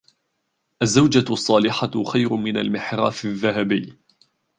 الزوجة الصالحة خير من المِحراث الذهبي.